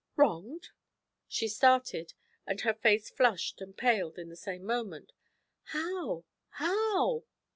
'Wronged?' She started, and her face flushed and paled in the same moment. 'How how?'